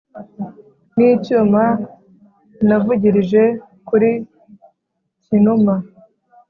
N’ icyuma navugirije kuri Cyinuma.